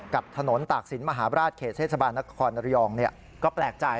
กับถนนตากศิลปมหาราชเขตเทศบาลนครระยองก็แปลกใจ